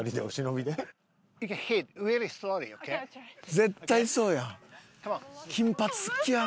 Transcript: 絶対そうやわ。